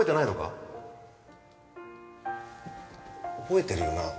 覚えてるよな？